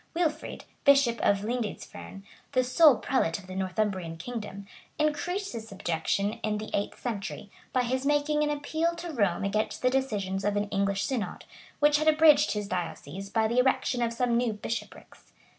Wilfrid, bishop of Lindisferne, the sole prelate of the Northumbrian kingdom, increased this subjection in the eighth century, by his making an appeal to Rome against the decisions of an English synod, which had abridged his diocese by the erection of some new bishoprics.